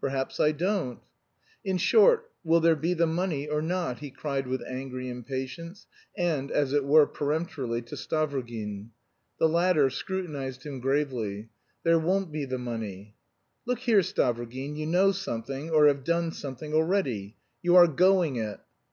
"Perhaps I don't." "In short, will there be the money or not?" he cried with angry impatience, and as it were peremptorily, to Stavrogin. The latter scrutinised him gravely. "There won't be the money." "Look here, Stavrogin! You know something, or have done something already! You are going it!"